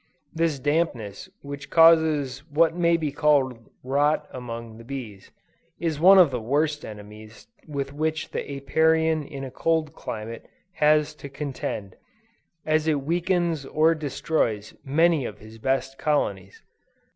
This dampness which causes what may be called a rot among the bees, is one of the worst enemies with which the Apiarian in a cold climate, has to contend, as it weakens or destroys many of his best colonies.